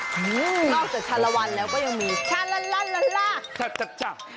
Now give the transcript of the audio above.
นอกจากชารวัลแล้วก็ยังมีชาลาลาลาลา